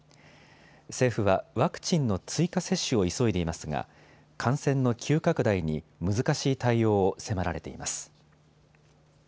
政府はワクチンの追加接種を急いでいますが感染の急拡大に難しい対応を迫られています。